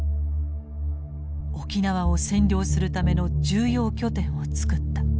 沖縄を占領するための重要拠点を作った。